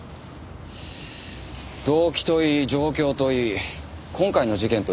動機といい状況といい今回の事件と似てませんか？